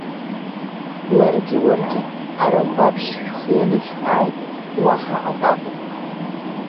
Ларгьы уаргьы арагәаԥшь шәхы анышәҟьааит, уаҳа акакәым…